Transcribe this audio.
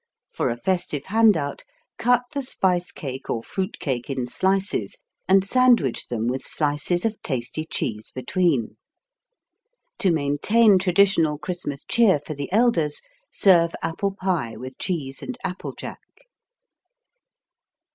For a festive handout cut the spice cake or fruit cake in slices and sandwich them with slices of tasty cheese between. To maintain traditional Christmas cheer for the elders, serve apple pie with cheese and applejack.